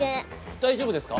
大丈夫ですか？